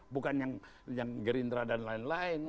bukan yang gerindra dan lain lain